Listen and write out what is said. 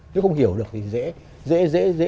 nếu không hiểu được thì dễ dễ dễ dễ